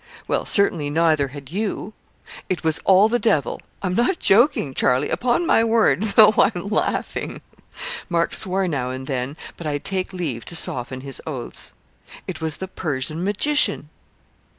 'Well, certainly, neither had you.' 'It was all the Devil. I'm not joking, Charlie, upon my word, though I'm laughing.' (Mark swore now and then, but I take leave to soften his oaths). 'It was the Persian Magician.'